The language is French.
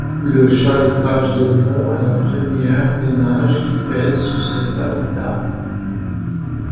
Le chalutage de fond est la première menace qui pèse sur cet habitat.